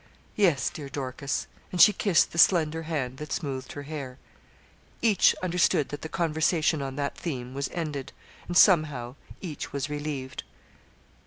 'Yes, dear Dorcas,' and she kissed the slender hand that smoothed her hair. Each understood that the conversation on that theme was ended, and somehow each was relieved.